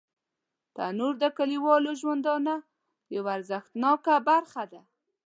تنور د کلیوالو ژوندانه یوه ارزښتناکه برخه ده